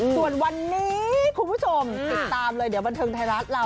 ส่วนวันนี้คุณผู้ชมติดตามเลยเดี๋ยวบันเทิงไทยรัฐเรา